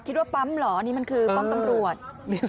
คิดว่าปั๊มเหรอนี่มันคือป้อมตำรวจ